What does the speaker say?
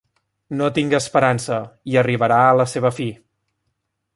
No tinc esperança, i arribarà a la seva fi.